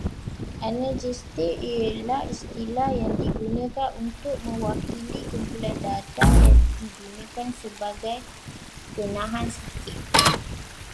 Analgesik ialah istilah yang digunakan untuk mewakili kumpulan dadah yang digunakan sebagai penahan sakit